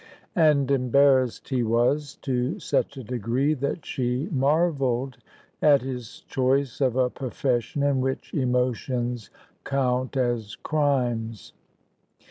And embarrassed he was, to such a degree that she marvelled at his choice of a profession in which emotions count as crimes.